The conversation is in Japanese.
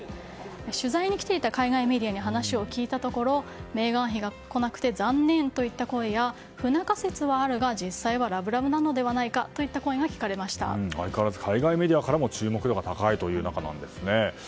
取材に来ていた海外メディアに話を聞いたところメーガン妃が来なくて残念といった声や不仲説はあるが実際はラブラブなのではないか相変わらず海外メディアからも注目度が高いという中なんですね。